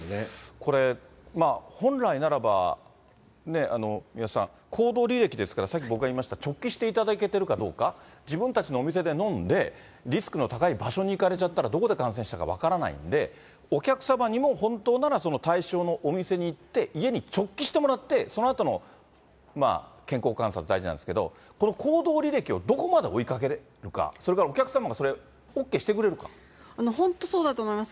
これ、本来ならば三輪さん、行動履歴ですから、さっき僕が言いました、直帰していただけてるかどうか、自分たちのお店で飲んで、リスクの高い場所に行かれちゃったら、どこで感染したか分からないので、お客様にも本当ならその対象のお店に行って、家に直帰してもらって、そのあとの健康観察大事なんですけど、この行動履歴をどこまで追いかけられるか、それからお客様がそれ、本当そうだと思います。